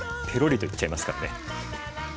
ペロリといっちゃいますからね。